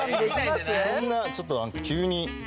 そんなちょっとあの急に。